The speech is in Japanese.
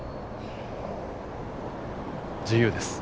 自由です。